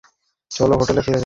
চলো, হোটেলে ফিরে যাই।